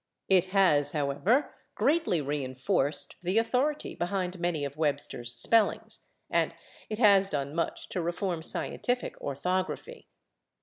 It has, however, greatly reinforced the authority behind many of Webster's spellings, and it has done much to reform scientific orthography.